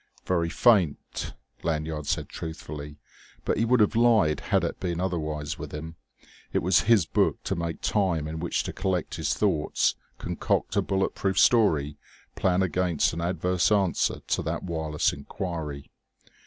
"Very faint," Lanyard said truthfully. But he would have lied had it been otherwise with him. It was his book to make time in which to collect his thoughts, concoct a bullet proof story, plan against an adverse answer to that wireless enquiry.